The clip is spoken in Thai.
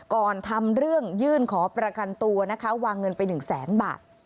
ก่อนทำเรื่องยื่นขอประกันตัวนะคะวางเงินไป๑แสนบาท